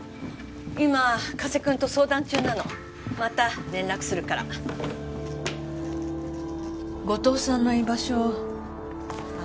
今加瀬君と相談中なのまた連絡するから後藤さんの居場所あ